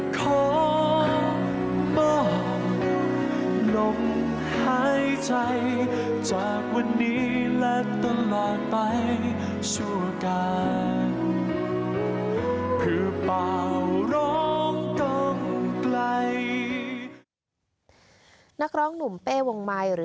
เพื่อป่าวร้องตรงไกล